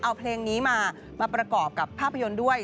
เอาเพลงนี้มามาประกอบกับภาพยนตร์ด้วย